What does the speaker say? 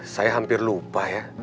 saya hampir lupa ya